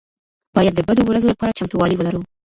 باید د بدو ورځو لپاره چمتووالی ولرو.